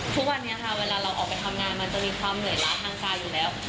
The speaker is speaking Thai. ทุกวันนี้ค่ะเวลาเราออกไปทำงานมันจะมีความเหนื่อยล้าทางใจอยู่แล้ว